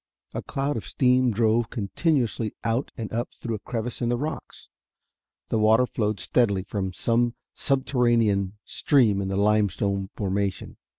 A cloud of steam drove continuously out and up through a crevice in the rocks. The water flowed steadily from some subterranean stream in the limestone formation.